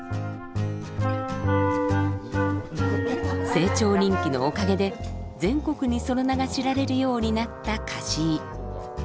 清張人気のおかげで全国にその名が知られるようになった香椎。